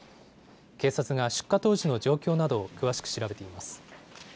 警察が出火当時の状況などを詳しく調べています。